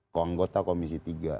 ke anggota komisi tiga